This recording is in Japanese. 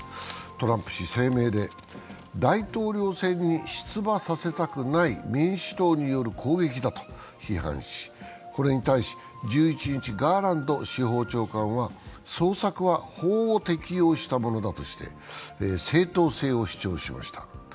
トランプ氏は声明で、大統領選に出馬させたくない民主党による攻撃だと批判しこれに対し、１１日、ガーランド司法長官は捜索は法を適用したものだとして正当性を主張しました。